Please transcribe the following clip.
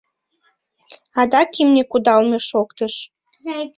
Адак имне кудалме шоктыш.